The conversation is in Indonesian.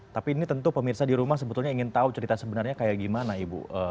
tapi ini tentu pemirsa di rumah sebetulnya ingin tahu cerita sebenarnya kayak gimana ibu